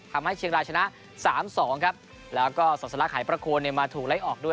ทำให้เชียงรายชนะ๓๒ครับแล้วก็สรรคหายประโคลมาถูกไล่ออกด้วย